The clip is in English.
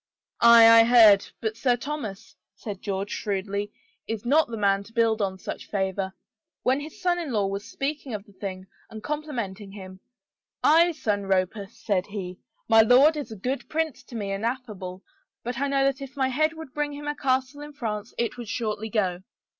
"Aye, I heard. But Sir Thomas," said George shrewdly, " is not the man to build on such favor. When his son in law was speaking of the thing and compli menting him, ' Aye, son Roper,' said he, * my lord is a good prince to me and affable, but I know that if my head would bring him a castle in France, it would shortly go.'